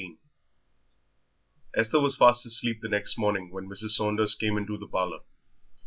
XIV Esther was fast asleep next morning when Mrs. Saunders came into the parlour.